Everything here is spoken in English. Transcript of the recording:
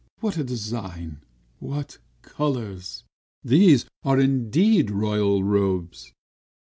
"What a design! What colors! These are indeed royal robes!"